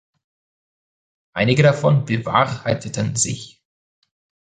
Einige davon bewahrheiteten sich.